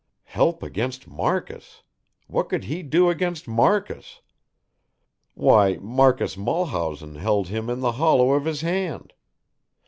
Help against Marcus! What could he do against Marcus? Why Marcus Mulhausen held him in the hollow of his hand.